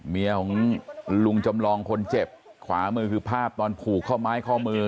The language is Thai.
เมียของลุงจำลองคนเจ็บขวามือคือภาพตอนผูกข้อไม้ข้อมือ